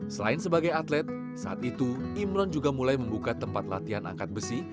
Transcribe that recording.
selain sebagai atlet saat itu imron juga mulai membuka tempat latihan angkat besi